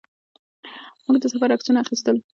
موږ د سفر عکسونه اخیستل.